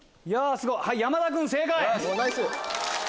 すごい！山田君正解！